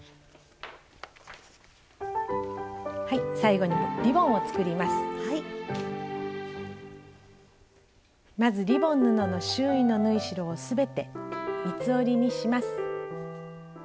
最後にまずリボン布の周囲の縫い代を全て三つ折りにします。